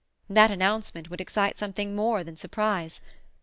That announcement would excite something more than surprise.